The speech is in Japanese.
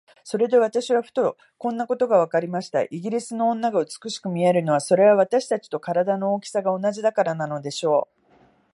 それで私はふと、こんなことがわかりました。イギリスの女が美しく見えるのは、それは私たちと身体の大きさが同じだからなのでしょう。